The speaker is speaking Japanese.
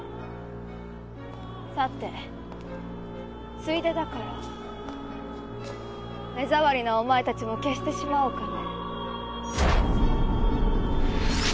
さてついでだから目障りなお前たちも消してしまおうかね。